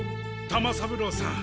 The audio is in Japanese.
玉三郎さん